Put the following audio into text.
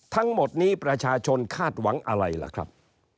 ทั้งหมดนี้ประชาชนคาดหวังอะไรล่ะครับ